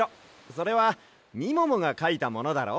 それはみももがかいたものだろ？